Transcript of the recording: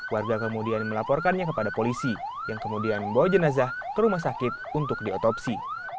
warga kemudian melaporkannya kepada polisi yang kemudian membawa jenazah ke rumah sakit untuk diotopsi